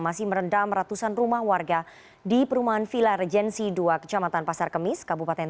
masih merendam ratusan rumah warga di perumahan villa regensi dua kecamatan pasar kemis kabupaten